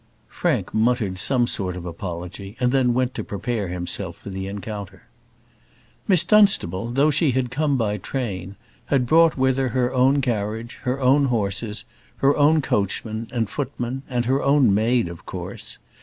Frank muttered some sort of apology, and then went to prepare himself for the encounter. Miss Dunstable, though she had come by train, had brought with her her own carriage, her own horses, her own coachman and footman, and her own maid, of course.